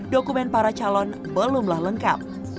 dokumen para calon belumlah lengkap